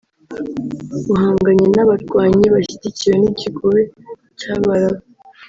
uhanganye n’abarwanyi bashyigikiwe n’ikigobe cy’Abarabu